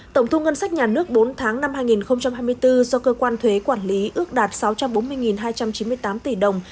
tổng thu ngân sách nhà nước bốn tháng năm hai nghìn hai mươi bốn do cơ quan thuế quản lý ước đạt sáu trăm bốn mươi hai trăm chín mươi tám tỷ đồng